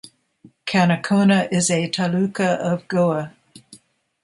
Canacona is a taluka of Goa.